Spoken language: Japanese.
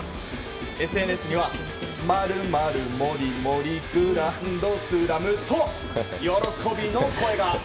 ＳＮＳには、マルマルモリモリグランドスラムと喜びの声が。